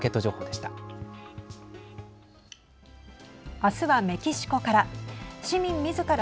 明日はメキシコから。